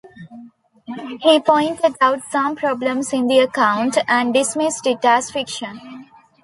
He pointed out some problems in the account and dismissed it as fiction.